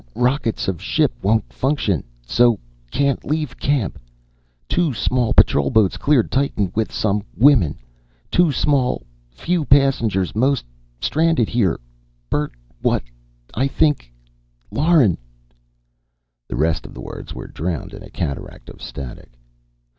Rockets of ship won't function.... So ... can't leave ... camp.... Two Space Patrol boats cleared Titan with some ... women.... Too small ... few passengers.... Most ... stranded here.... Bert what?... I think ... Lauren...." The rest of the words were drowned in a cataract of static.